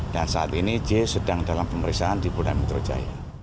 dan saat ini j sedang dalam pemeriksaan di polda metro jaya